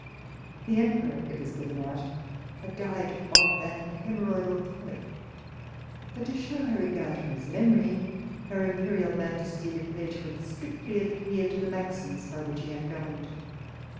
The emperor, it was given out, had died of an hermorrhoidal cholic, but to shew her regard for his memory, her imperial majesty declared she would strictly adhere to the maxims by which he had governed.